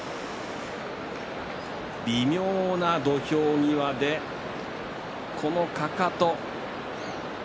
微妙な土俵際で、このかかと。